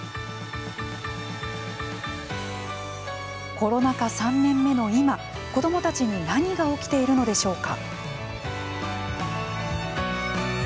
コロナ禍３年目の今子どもたちに何が起きているのでしょうか。